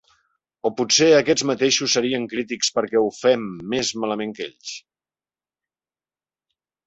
O potser aquests mateixos serien crítics perquè ho fem més malament que ells?